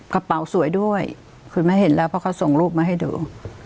กระเป๋าสวยด้วยคุณแม่เห็นแล้วเพราะเขาส่งรูปมาให้ดู